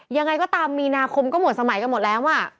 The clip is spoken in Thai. ยังไงก็ตามมีนาคมก็หมดสมัยกันหมดแล้ว